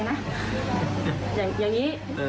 สบายสิ